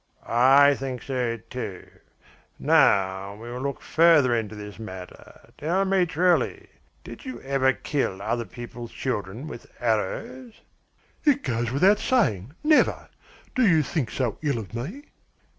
"I think so, too. Now we will look further into this matter. Tell me truly, did you ever kill other people's children with arrows?" "It goes without saying, never! Do you think so ill of me?"